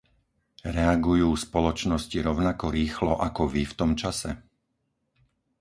Reagujú spoločnosti rovnako rýchlo ako vy v tom čase?